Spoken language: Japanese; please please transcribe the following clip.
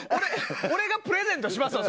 俺がプレゼントしますわ。